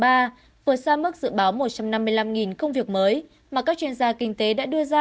vừa xa mức dự báo một trăm năm mươi năm công việc mới mà các chuyên gia kinh tế đã đưa ra